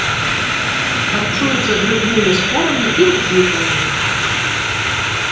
Харчуюцца грыбнымі спорамі і гіфамі.